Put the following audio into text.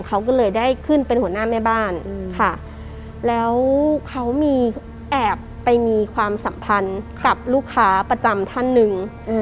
เขาก็เลยได้ขึ้นเป็นหัวหน้าแม่บ้านค่ะแล้วเขามีแอบไปมีความสัมพันธ์กับลูกค้าประจำท่านหนึ่ง